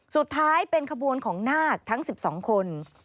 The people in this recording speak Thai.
สุดท้ายเป็นขบวนของนาคทั้ง๑๒คน